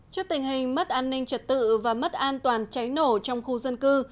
trước tình hình mất an ninh trật tự và mất an toàn cháy nổ trong khu dân cư